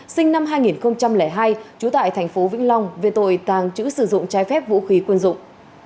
sinh năm hai nghìn hai trú tại thành phố vĩnh long về tội tàng trữ sử dụng trái phép vũ khí quân dụng